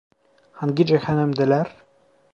Hangi cehennemdeler?